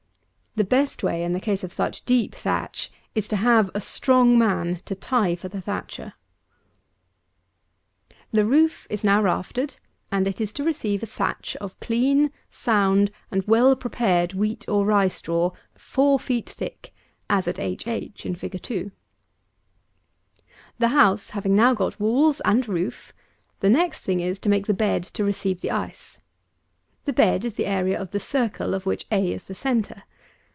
The best way, in a case of such deep thatch, is to have a strong man to tie for the thatcher. 246. The roof is now raftered, and it is to receive a thatch of clean, sound, and well prepared wheat or rye straw, four feet thick, as at h h in FIG. 2. 247. The house having now got walls and roof, the next thing is to make the bed to receive the ice. This bed is the area of the circle of which a is the centre.